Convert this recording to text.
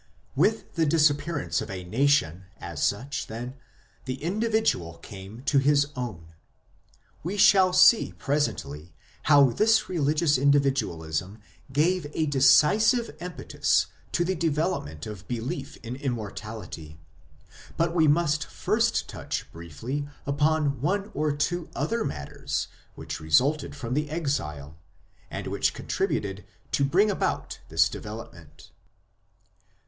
With the disappearance of the nation, as such, then, the individual came to his own. We shall see presently how this religious individualism gave a decisive impetus to the development of belief in Immortality ; but we must first touch briefly upon one or two other matters which resulted from the Exile, and which contributed to bring about this development.